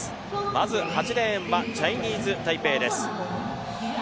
まず１レーンはチャイニーズタイペイです。